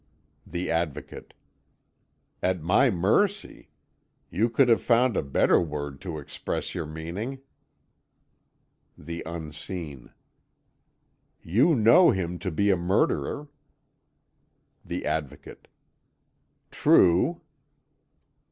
The Advocate: "At my mercy! You could have found a better word to express your meaning." The Unseen: "You know him to be a murderer." The Advocate: "True."